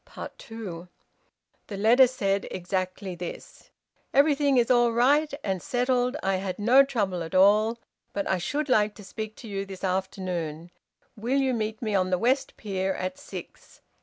TWO. The letter said exactly this: "Everything is all right and settled. I had no trouble at all. But I should like to speak to you this afternoon. Will you meet me on the West Pier at six?